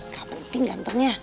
gak penting gantengnya